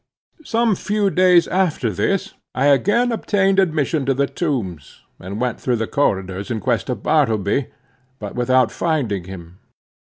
Some few days after this, I again obtained admission to the Tombs, and went through the corridors in quest of Bartleby; but without finding him.